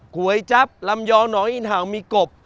ก๋วยจับลำยองหนองอินเห่ามีกบ